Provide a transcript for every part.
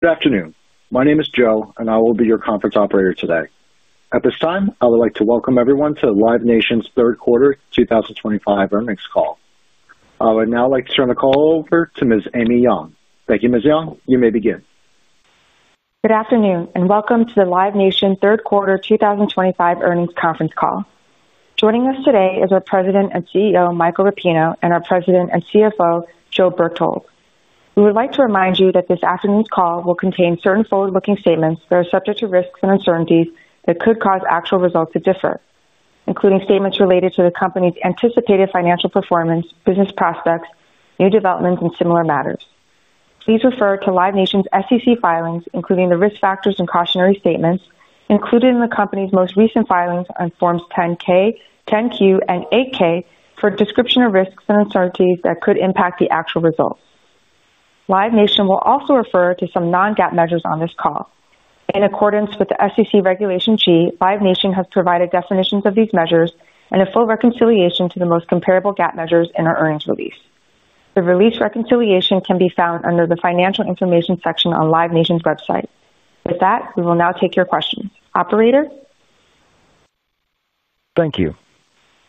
Good afternoon. My name is Joe, and I will be your conference operator today. At this time, I would like to welcome everyone to Live Nation's third quarter 2025 earnings call. I would now like to turn the call over to Ms. Amy Yong. Thank you, Ms. Yong. You may begin. Good afternoon, and welcome to the Live Nation third quarter 2025 earnings conference call. Joining us today is our President and CEO, Michael Rapino, and our President and CFO, Joe Berchtold. We would like to remind you that this afternoon's call will contain certain forward-looking statements that are subject to risks and uncertainties that could cause actual results to differ, including statements related to the company's anticipated financial performance, business prospects, new developments, and similar matters. Please refer to Live Nation's SEC filings, including the risk factors and cautionary statements included in the company's most recent filings on Forms 10-K, 10-Q, and 8-K for a description of risks and uncertainties that could impact the actual results. Live Nation will also refer to some non-GAAP measures on this call. In accordance with the SEC Regulation G, Live Nation has provided definitions of these measures and a full reconciliation to the most comparable GAAP measures in our earnings release. The release reconciliation can be found under the Financial Information section on Live Nation's website. With that, we will now take your questions. Operator. Thank you.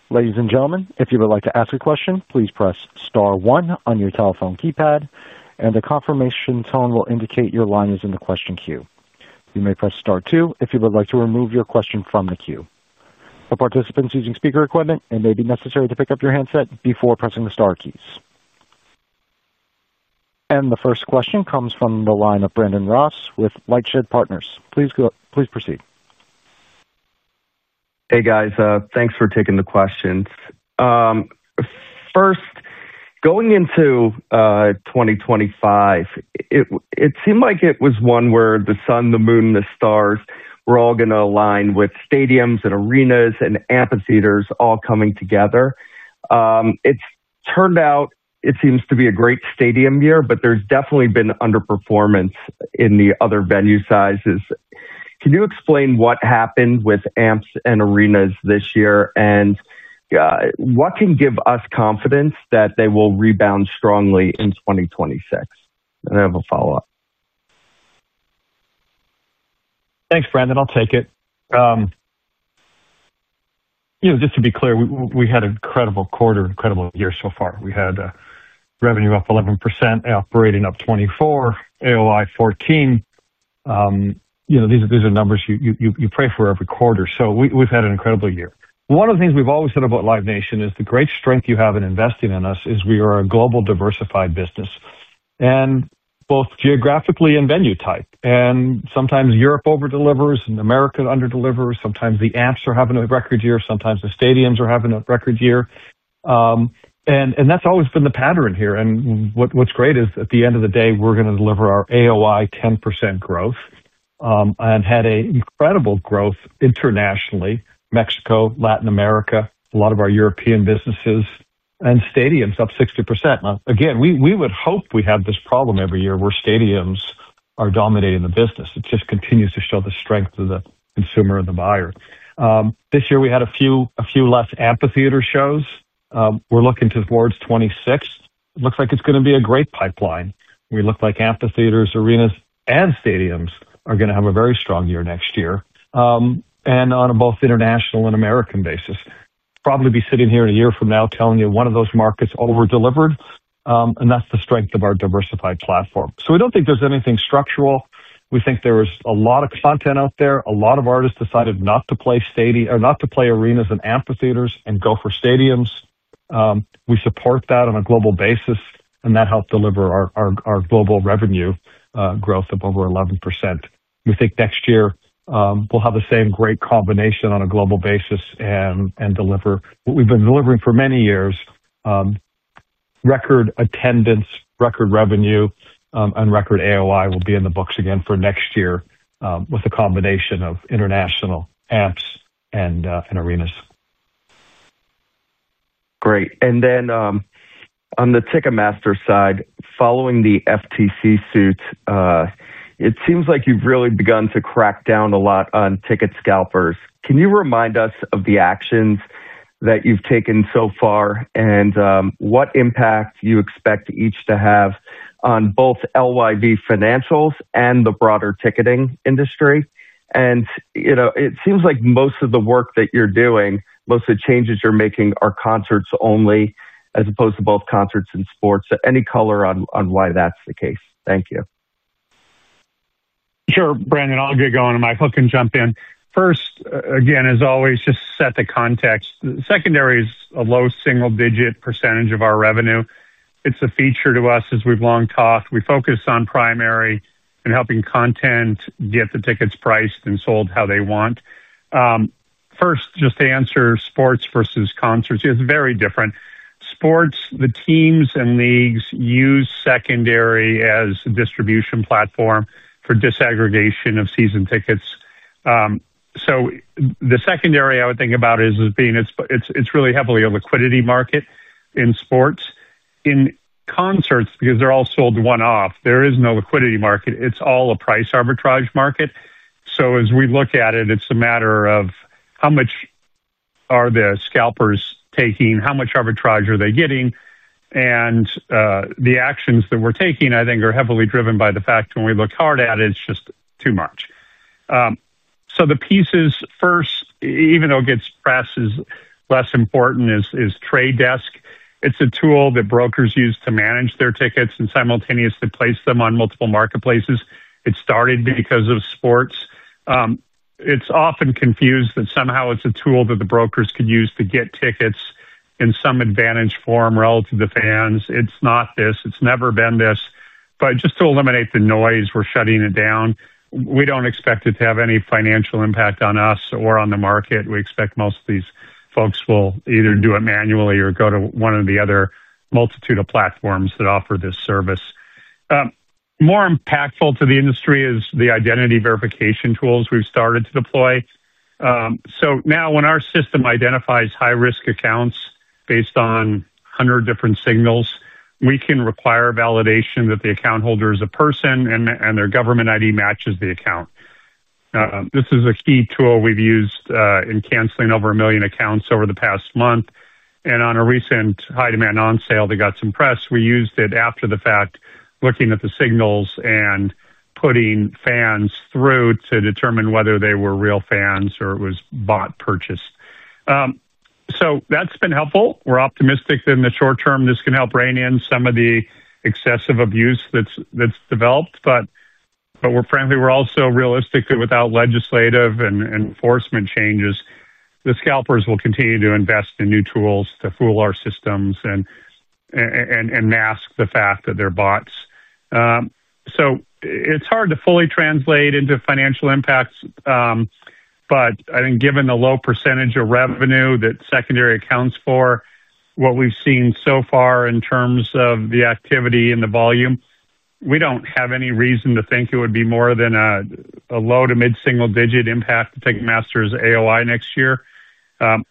Ladies and gentlemen, if you would like to ask a question, please press star one on your telephone keypad, and the confirmation tone will indicate your line is in the question queue. You may press star two if you would like to remove your question from the queue. For participants using speaker equipment, it may be necessary to pick up your handset before pressing the star keys. And the first question comes from the line of Brandon Ross with Lightshed Partners. Please proceed. Hey, guys. Thanks for taking the questions. First, going into 2025. It seemed like it was one where the sun, the moon, and the stars were all going to align with stadiums and arenas and amphitheaters all coming together. It's turned out it seems to be a great stadium year, but there's definitely been underperformance in the other venue sizes. Can you explain what happened with amps and arenas this year and what can give us confidence that they will rebound strongly in 2026? And I have a follow-up. Thanks, Brandon. I'll take it. Just to be clear, we had an incredible quarter, incredible year so far. We had revenue up 11%, operating up 24%, AOI 14%. These are numbers you pray for every quarter. So we've had an incredible year. One of the things we've always said about Live Nation is the great strength you have in investing in us is we are a global diversified business, and both geographically and venue type, and sometimes Europe overdelivers and America underdelivers. Sometimes the amps are having a record year. Sometimes the stadiums are having a record year, and that's always been the pattern here, and what's great is at the end of the day, we're going to deliver our AOI 10% growth, and had an incredible growth internationally, Mexico, Latin America, a lot of our European businesses, and stadiums up 60%. Again, we would hope we have this problem every year where stadiums are dominating the business. It just continues to show the strength of the consumer and the buyer. This year, we had a few less amphitheater shows. We're looking towards 2026. It looks like it's going to be a great pipeline. We look like amphitheaters, arenas, and stadiums are going to have a very strong year next year, and on both international and American basis. Probably be sitting here a year from now telling you one of those markets overdelivered, and that's the strength of our diversified platform. So we don't think there's anything structural. We think there is a lot of content out there. A lot of artists decided not to play stadium or not to play arenas and amphitheaters and go for stadiums. We support that on a global basis, and that helped deliver our global revenue growth of over 11%. We think next year we'll have the same great combination on a global basis and deliver what we've been delivering for many years. Record attendance, record revenue, and record AOI will be in the books again for next year with a combination of international amps and arenas. Great. And then on the Ticketmaster side, following the FTC suit, it seems like you've really begun to crack down a lot on ticket scalpers. Can you remind us of the actions that you've taken so far and what impact you expect each to have on both LYV financials and the broader ticketing industry? And it seems like most of the work that you're doing, most of the changes you're making are concerts only as opposed to both concerts and sports. Any color on why that's the case? Thank you. Sure, Brandon. I'll get going. And Mike can jump in. First, again, as always, just to set the context, secondary is a low single-digit percentage of our revenue. It's a feature to us as we've long talked. We focus on primary and helping content get the tickets priced and sold how they want. First, just to answer sports versus concerts, it's very different. Sports, the teams and leagues use secondary as a distribution platform for disaggregation of season tickets. So the secondary I would think about is being it's really heavily a liquidity market in sports. In concerts, because they're all sold one-off, there is no liquidity market. It's all a price arbitrage market. So as we look at it, it's a matter of how much are the scalpers taking. How much arbitrage are they getting. And the actions that we're taking, I think, are heavily driven by the fact when we look hard at it, it's just too much. So the pieces first, even though it gets pressed as less important, is Trade Desk. It's a tool that brokers use to manage their tickets and simultaneously place them on multiple marketplaces. It started because of sports. It's often confused that somehow it's a tool that the brokers could use to get tickets in some advantage form relative to the fans. It's not this. It's never been this. But just to eliminate the noise, we're shutting it down. We don't expect it to have any financial impact on us or on the market. We expect most of these folks will either do it manually or go to one of the other multitude of platforms that offer this service. More impactful to the industry is the identity verification tools we've started to deploy. So now when our system identifies high-risk accounts based on 100 different signals, we can require validation that the account holder is a person and their government ID matches the account. This is a key tool we've used in canceling over a million accounts over the past month. And on a recent high-demand on-sale that got some press, we used it after the fact, looking at the signals and putting fans through to determine whether they were real fans or it was bought, purchased. So that's been helpful. We're optimistic that in the short term, this can help rein in some of the excessive abuse that's developed. But frankly, we're also realistic that without legislative and enforcement changes, the scalpers will continue to invest in new tools to fool our systems and mask the fact that they're bots. So it's hard to fully translate into financial impacts. But I think given the low percentage of revenue that secondary accounts for, what we've seen so far in terms of the activity and the volume, we don't have any reason to think it would be more than a low- to mid-single-digit impact to Ticketmaster's AOI next year. But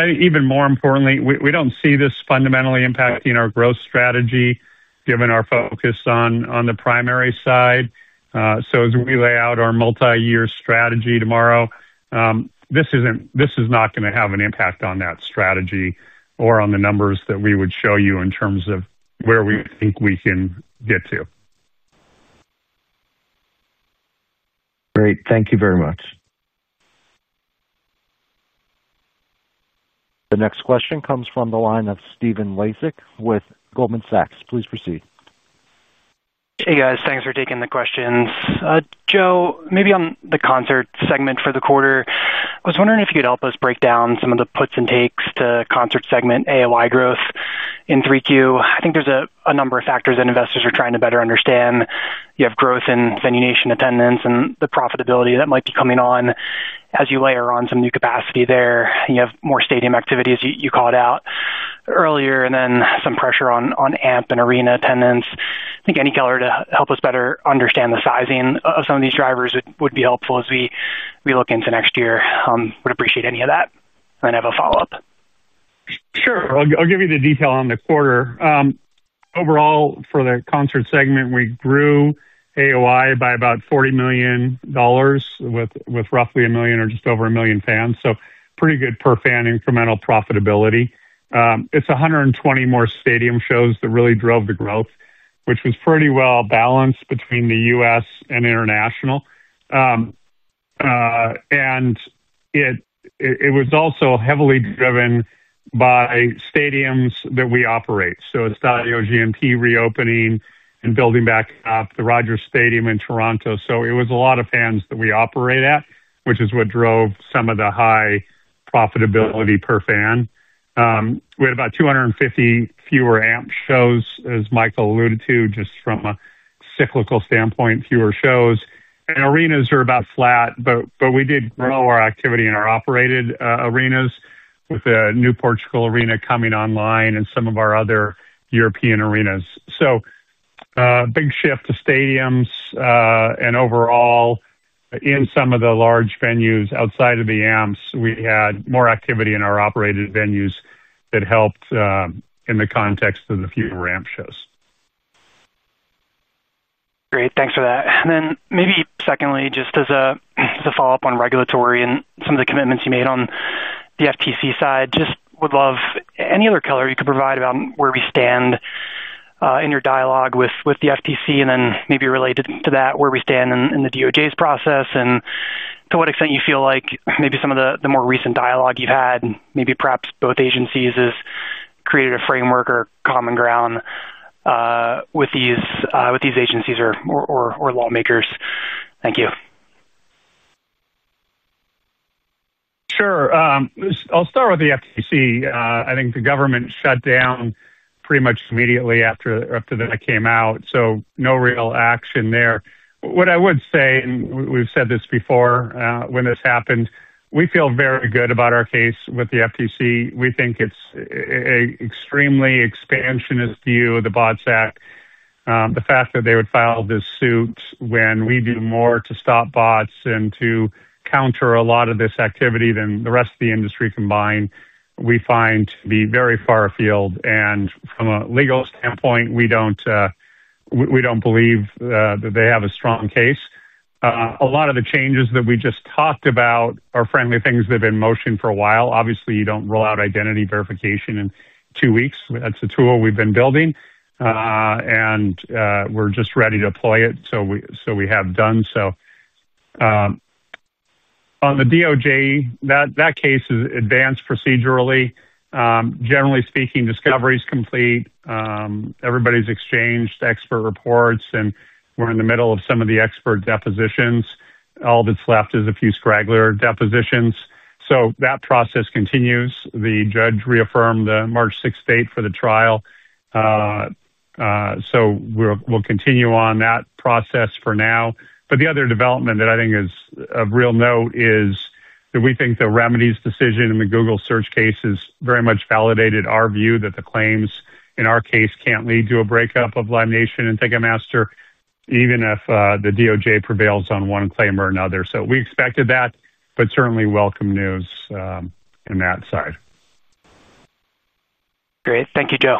I think even more importantly, we don't see this fundamentally impacting our growth strategy given our focus on the primary side. So, as we lay out our multi-year strategy tomorrow, this is not going to have an impact on that strategy or on the numbers that we would show you in terms of where we think we can get to. Great. Thank you very much. The next question comes from the line of Stephen Laszczyk with Goldman Sachs. Please proceed. Hey, guys. Thanks for taking the questions. Joe, maybe on the concert segment for the quarter, I was wondering if you could help us break down some of the puts and takes to concert segment AOI growth in 3Q. I think there's a number of factors that investors are trying to better understand. You have growth in Venue Nation attendance and the profitability that might be coming on as you layer on some new capacity there. You have more stadium activities you called out earlier, and then some pressure on amp and arena attendance. I think any color to help us better understand the sizing of some of these drivers would be helpful as we look into next year. Would appreciate any of that, and I have a follow-up. Sure. I'll give you the detail on the quarter. Overall, for the concert segment, we grew AOI by about $40 million. With roughly a million or just over a million fans, so pretty good per fan incremental profitability. It's 120 more stadium shows that really drove the growth, which was pretty well balanced between the U.S. and international. It was also heavily driven by stadiums that we operate, so Estadio GNP reopening and building back up the Rogers Stadium in Toronto. So it was a lot of fans that we operate at, which is what drove some of the high profitability per fan. We had about 250 fewer amp shows, as Michael alluded to, just from a cyclical standpoint, fewer shows. Arenas are about flat, but we did grow our activity in our operated arenas with a new Portugal arena coming online and some of our other European arenas. Big shift to stadiums. Overall in some of the large venues outside of the amps, we had more activity in our operated venues that helped in the context of the fewer amp shows. Great. Thanks for that. And then maybe secondly, just as a follow-up on regulatory and some of the commitments you made on the FTC side, just would love any other color you could provide about where we stand in your dialogue with the FTC, and then maybe related to that, where we stand in the DOJ's process, and to what extent you feel like maybe some of the more recent dialogue you've had, maybe perhaps both agencies have created a framework or common ground with these agencies or lawmakers. Thank you. Sure. I'll start with the FTC. I think the government shut down pretty much immediately after that came out. So no real action there. What I would say, and we've said this before when this happened, we feel very good about our case with the FTC. We think it's an extremely expansionist view of the Bots Act. The fact that they would file this suit when we do more to stop bots and to counter a lot of this activity than the rest of the industry combined, we find to be very far afield. And from a legal standpoint, we don't believe that they have a strong case. A lot of the changes that we just talked about are frankly things that have been in motion for a while. Obviously, you don't roll out identity verification in two weeks. That's a tool we've been building. And we're just ready to deploy it. So we have done so. On the DOJ, that case is advanced procedurally. Generally speaking, discovery is complete. Everybody's exchanged expert reports, and we're in the middle of some of the expert depositions. All that's left is a few straggler depositions. So that process continues. The judge reaffirmed the March 6th date for the trial. So we'll continue on that process for now. But the other development that I think is of real note is that we think the remedies decision in the Google search case has very much validated our view that the claims in our case can't lead to a breakup of Live Nation and Ticketmaster, even if the DOJ prevails on one claim or another. So we expected that, but certainly welcome news on that side. Great. Thank you, Joe.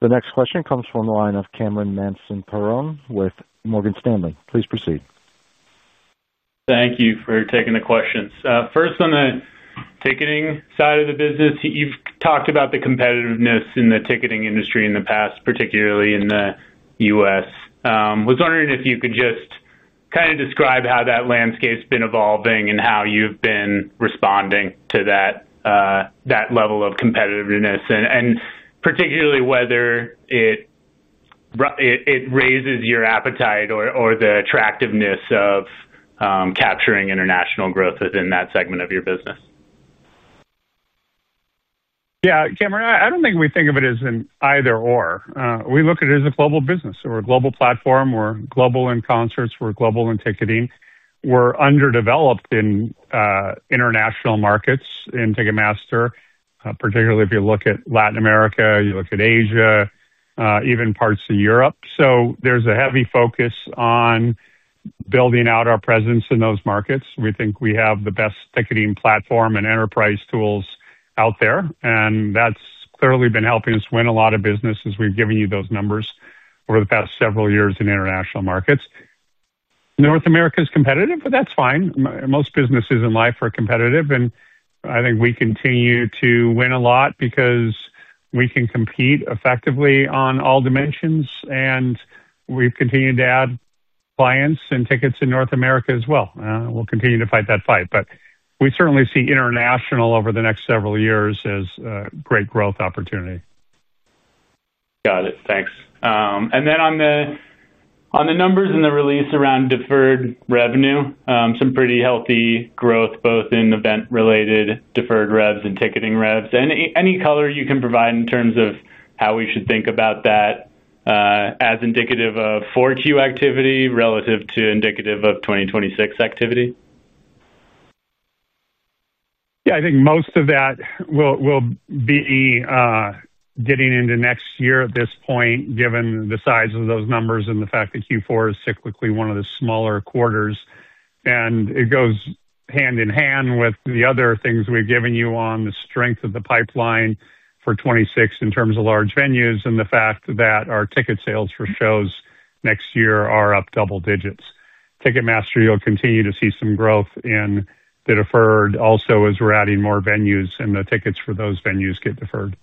The next question comes from the line of Cameron Mansson-Perrone with Morgan Stanley. Please proceed. Thank you for taking the questions. First, on the ticketing side of the business, you've talked about the competitiveness in the ticketing industry in the past, particularly in the U.S. I was wondering if you could just kind of describe how that landscape's been evolving and how you've been responding to that level of competitiveness, and particularly whether it raises your appetite or the attractiveness of capturing international growth within that segment of your business. Yeah, Cameron, I don't think we think of it as an either/or. We look at it as a global business. We're a global platform. We're global in concerts. We're global in ticketing. We're underdeveloped in international markets in Ticketmaster, particularly if you look at Latin America, you look at Asia, even parts of Europe. So there's a heavy focus on building out our presence in those markets. We think we have the best ticketing platform and enterprise tools out there, and that's clearly been helping us win a lot of business as we've given you those numbers over the past several years in international markets. North America is competitive, but that's fine. Most businesses in life are competitive, and I think we continue to win a lot because we can compete effectively on all dimensions, and we've continued to add clients and tickets in North America as well. We'll continue to fight that fight, but we certainly see international over the next several years as a great growth opportunity. Got it. Thanks. And then on the numbers and the release around deferred revenue, some pretty healthy growth both in event-related deferred revs and ticketing revs. And any color you can provide in terms of how we should think about that as indicative of 4Q activity relative to indicative of 2026 activity? Yeah, I think most of that will be getting into next year at this point, given the size of those numbers and the fact that Q4 is cyclically one of the smaller quarters, and it goes hand in hand with the other things we've given you on the strength of the pipeline for 2026 in terms of large venues and the fact that our ticket sales for shows next year are up double digits. Ticketmaster, you'll continue to see some growth in the deferred also as we're adding more venues and the tickets for those venues get deferred.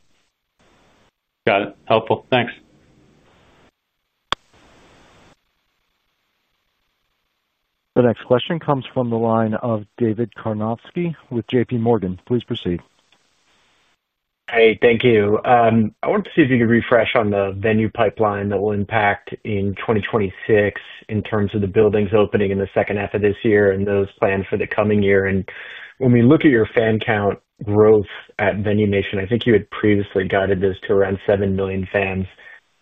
Got it. Helpful. Thanks. The next question comes from the line of David Karnovsky with JPMorgan. Please proceed. Hey, thank you. I wanted to see if you could refresh on the venue pipeline that will impact in 2026 in terms of the buildings opening in the second half of this year and those planned for the coming year, and when we look at your fan count growth at Venue Nation, I think you had previously guided this to around seven million fans.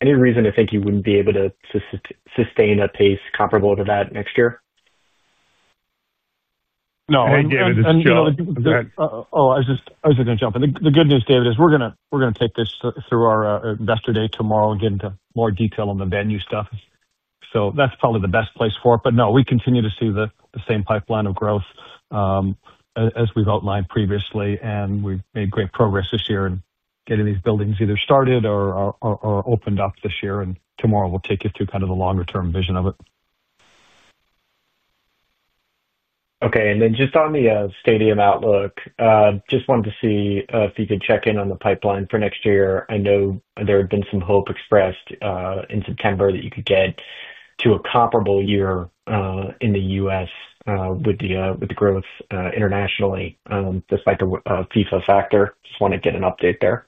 Any reason to think you wouldn't be able to sustain a pace comparable to that next year? No, hey, David, it's Joe. Oh, I was just going to jump in. The good news, David, is we're going to take this through our investor day tomorrow and get into more detail on the venue stuff. So that's probably the best place for it, but no, we continue to see the same pipeline of growth as we've outlined previously, and we've made great progress this year in getting these buildings either started or opened up this year, and tomorrow, we'll take you through kind of the longer-term vision of it. Okay. And then just on the stadium outlook, just wanted to see if you could check in on the pipeline for next year. I know there had been some hope expressed in September that you could get to a comparable year in the U.S. with the growth internationally despite the FIFA factor. Just want to get an update there.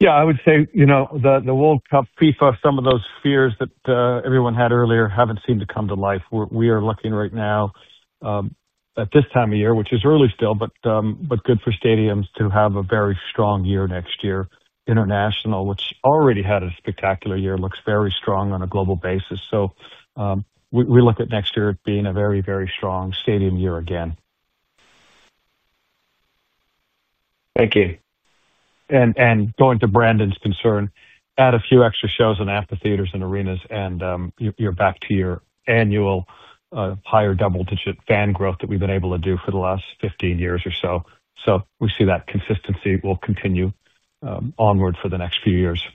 Yeah, I would say the World Cup, FIFA, some of those fears that everyone had earlier haven't seemed to come to life. We are looking right now at this time of year, which is early still, but good for stadiums to have a very strong year next year. International, which already had a spectacular year, looks very strong on a global basis. So we look at next year as being a very, very strong stadium year again. Thank you. And, going to Brandon's concern, add a few extra shows in amphitheaters and arenas, and you're back to your annual higher double-digit fan growth that we've been able to do for the last 15 years or so. So we see that consistency will continue onward for the next few years.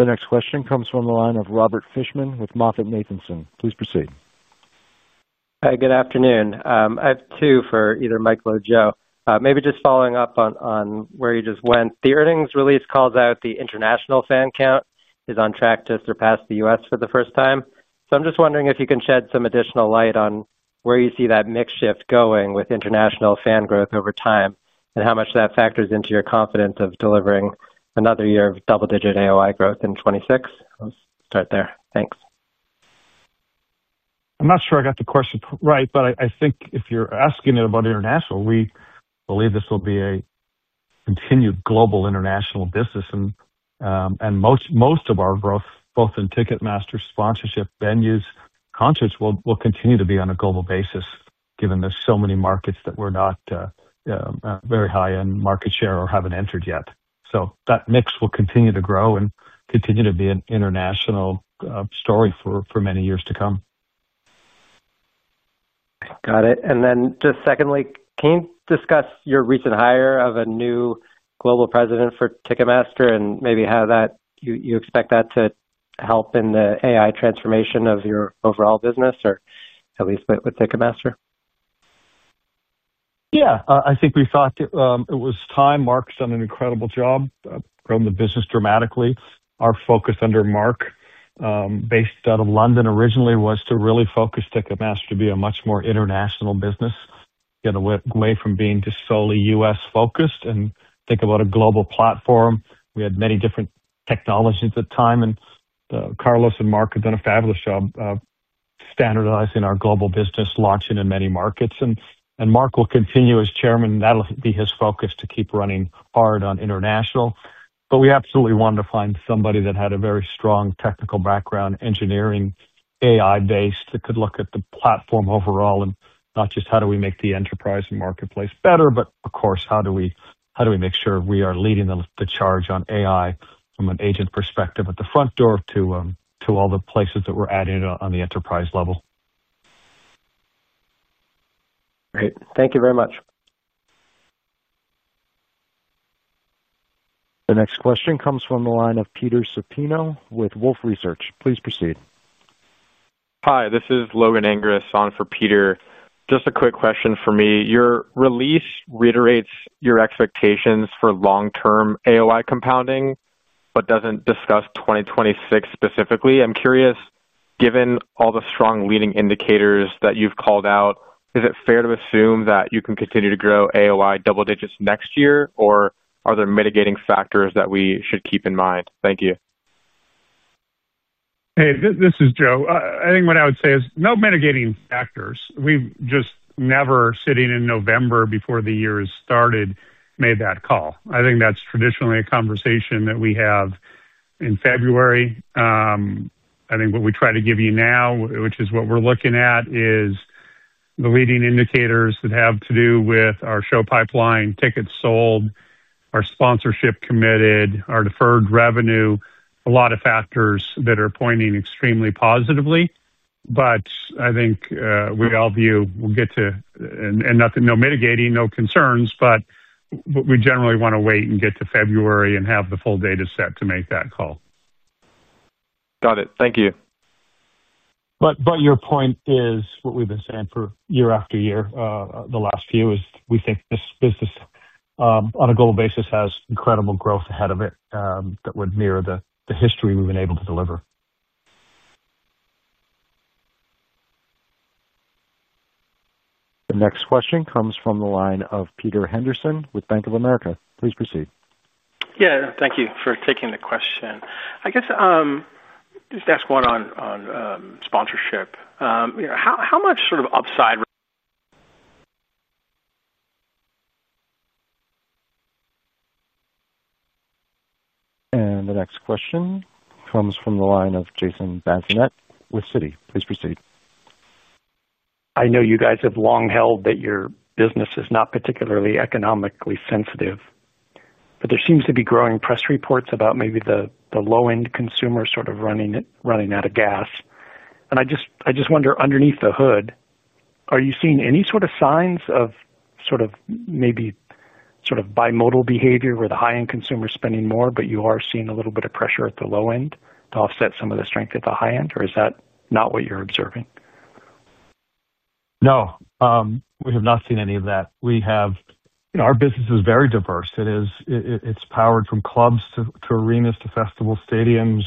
The next question comes from the line of Robert Fishman with MoffettNathanson. Please proceed. Hi, good afternoon. I have two for either Michael or Joe. Maybe just following up on where you just went. The earnings release calls out the international fan count is on track to surpass the U.S. for the first time. So I'm just wondering if you can shed some additional light on where you see that mix shift going with international fan growth over time and how much that factors into your confidence of delivering another year of double-digit AOI growth in 2026. Let's start there. Thanks. I'm not sure I got the question right, but I think if you're asking it about international, we believe this will be a continued global international business. And most of our growth, both in Ticketmaster, sponsorship, venues, concerts, will continue to be on a global basis given there's so many markets that we're not very high in market share or haven't entered yet. So that mix will continue to grow and continue to be an international story for many years to come. Got it. And then just secondly, can you discuss your recent hire of a new global president for Ticketmaster and maybe how you expect that to help in the AI transformation of your overall business or at least with Ticketmaster? Yeah. I think we thought it was time. Mark's done an incredible job. Grown the business dramatically. Our focus under Mark, based out of London originally, was to really focus Ticketmaster to be a much more international business. Get away from being just solely U.S.-focused and think about a global platform. We had many different technologies at the time. And Carlos and Mark have done a fabulous job. Standardizing our global business, launching in many markets. And Mark will continue as chairman. That'll be his focus to keep running hard on international. But we absolutely wanted to find somebody that had a very strong technical background, engineering, AI-based that could look at the platform overall and not just how do we make the enterprise and marketplace better, but of course, how do we make sure we are leading the charge on AI from an agent perspective at the front door to all the places that we're adding on the enterprise level. Great. Thank you very much. The next question comes from the line of Peter Supino with Wolfe Research. Please proceed. Hi, this is Logan Angress on for Peter. Just a quick question for me. Your release reiterates your expectations for long-term AOI compounding, but doesn't discuss 2026 specifically. I'm curious, given all the strong leading indicators that you've called out, is it fair to assume that you can continue to grow AOI double digits next year, or are there mitigating factors that we should keep in mind? Thank you. Hey, this is Joe. I think what I would say is no mitigating factors. We've just never, sitting in November before the year has started, made that call. I think that's traditionally a conversation that we have in February. I think what we try to give you now, which is what we're looking at, is the leading indicators that have to do with our show pipeline, tickets sold, our sponsorship committed, our deferred revenue, a lot of factors that are pointing extremely positively. But I think we all view we'll get to no mitigating, no concerns, but we generally want to wait and get to February and have the full data set to make that call. Got it. Thank you. But your point is what we've been saying for year after year, the last few, is we think this business on a global basis has incredible growth ahead of it that would mirror the history we've been able to deliver. The next question comes from the line of Peter Henderson with Bank of America. Please proceed. Yeah, thank you for taking the question. I guess. Just ask one on sponsorship. How much sort of upside? The next question comes from the line of Jason Bazinet with Citi. Please proceed. I know you guys have long held that your business is not particularly economically sensitive. But there seems to be growing press reports about maybe the low-end consumer sort of running out of gas. And I just wonder, underneath the hood, are you seeing any sort of signs of sort of maybe sort of bimodal behavior where the high-end consumer is spending more, but you are seeing a little bit of pressure at the low end to offset some of the strength at the high end, or is that not what you're observing? No. We have not seen any of that. Our business is very diverse. It's powered from clubs to arenas to festival stadiums,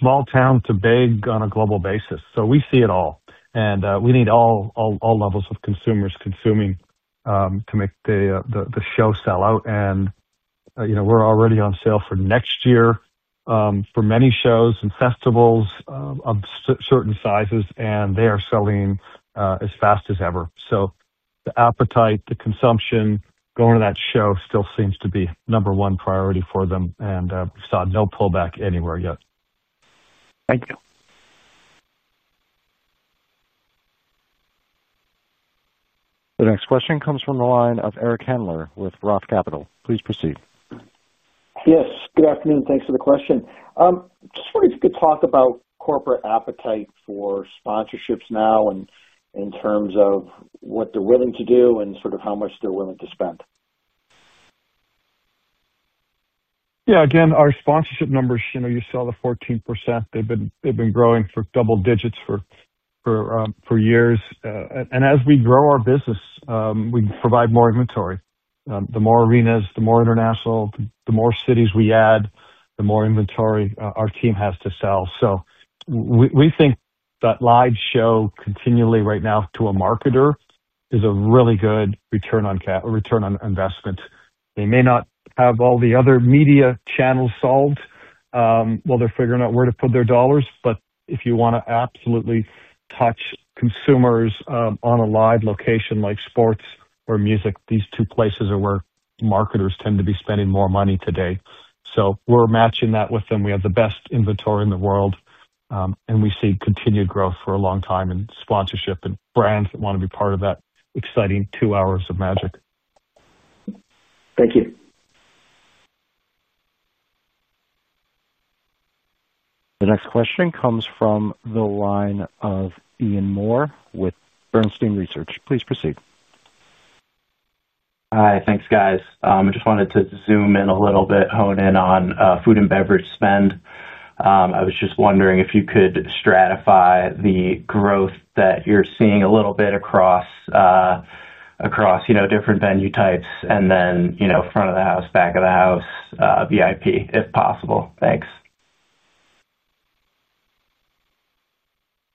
small town to big on a global basis. So we see it all, and we need all levels of consumers consuming to make the show sell out. We're already on sale for next year for many shows and festivals of certain sizes, and they are selling as fast as ever. So the appetite, the consumption, going to that show still seems to be number one priority for them. And we've saw no pullback anywhere yet. Thank you. The next question comes from the line of Eric Handler with ROTH Capital. Please proceed. Yes. Good afternoon. Thanks for the question. Just wonder if you could talk about corporate appetite for sponsorships now and in terms of what they're willing to do and sort of how much they're willing to spend. Yeah. Again, our sponsorship numbers, you know you saw the 14%. They've been growing for double digits for years. And as we grow our business, we provide more inventory. The more arenas, the more international, the more cities we add, the more inventory our team has to sell. So we think that live show continually right now to a marketer is a really good return on investment. They may not have all the other media channels solved. While they're figuring out where to put their dollars, but if you want to absolutely touch consumers on a live location like sports or music, these two places are where marketers tend to be spending more money today. So we're matching that with them. We have the best inventory in the world. And we see continued growth for a long time in sponsorship and brands that want to be part of that exciting two hours of magic. Thank you. The next question comes from the line of Ian Moore with Bernstein Research. Please proceed. Hi. Thanks, guys. I just wanted to zoom in a little bit, hone in on food and beverage spend. I was just wondering if you could stratify the growth that you're seeing a little bit across different venue types and then front of the house, back of the house, VIP, if possible. Thanks.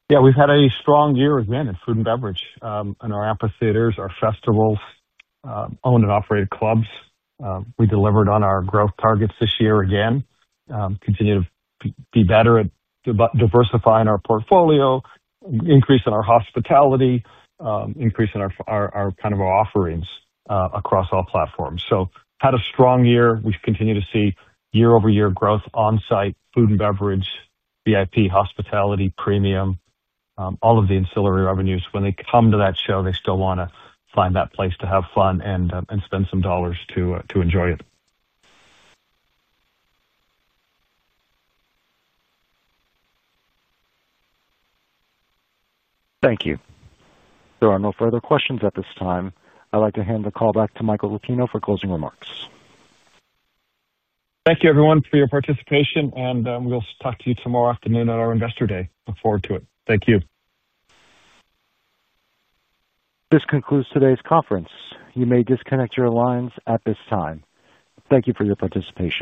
Yeah. We've had a strong year again in food and beverage in our amphitheaters, our festivals, owned and operated clubs. We delivered on our growth targets this year again. Continue to be better at diversifying our portfolio, increasing our hospitality, increasing our kind of offerings across all platforms. So had a strong year. We've continued to see year-over-year growth on-site, food and beverage, VIP, hospitality, premium, all of the ancillary revenues. When they come to that show, they still want to find that place to have fun and spend some dollars to enjoy it. Thank you. There are no further questions at this time. I'd like to hand the call back to Michael Rapino for closing remarks. Thank you, everyone, for your participation, and we'll talk to you tomorrow afternoon at our investor day. Look forward to it. Thank you. This concludes today's conference. You may disconnect your lines at this time. Thank you for your participation.